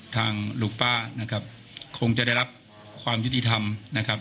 ทางลูกป้านะครับคงจะได้รับความยุติธรรมนะครับ